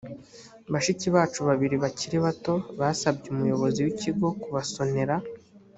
bashiki bacu babiri bakiri bato basabye umuyobozi w’ikigo kubasonera